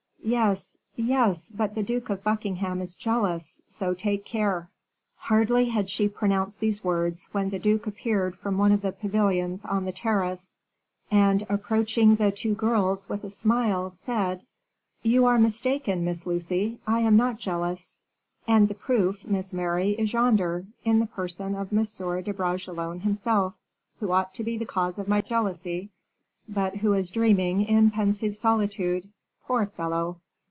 "Yes, yes, but the Duke of Buckingham is jealous, so take care." Hardly had she pronounced these words, when the duke appeared from one of the pavilions on the terrace, and, approaching the two girls, with a smile, said, "You are mistaken, Miss Lucy; I am not jealous; and the proof, Miss Mary, is yonder, in the person of M. de Bragelonne himself, who ought to be the cause of my jealousy, but who is dreaming in pensive solitude. Poor fellow!